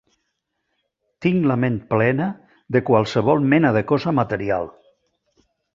Tinc la ment plena de qualsevol mena de cosa material.